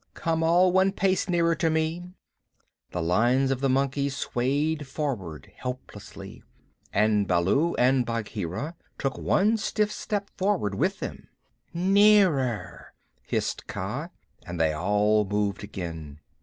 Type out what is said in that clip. Come all one pace nearer to me." The lines of the monkeys swayed forward helplessly, and Baloo and Bagheera took one stiff step forward with them. "Nearer!" hissed Kaa, and they all moved again.